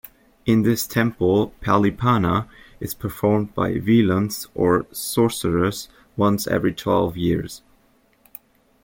In this temple 'Pallipana' is performed by "velans" or sorcerers once every twelve years.